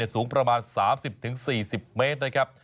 สูงประมาณ๓๐๔๐เมตร